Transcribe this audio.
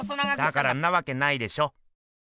だからんなわけないでしょ。